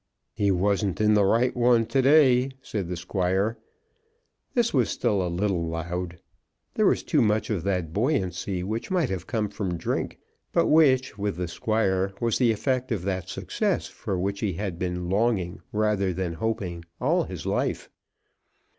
"He wasn't in the right one to day," said the Squire. This was still a little loud. There was too much of that buoyancy which might have come from drink; but which, with the Squire, was the effect of that success for which he had been longing rather than hoping all his life.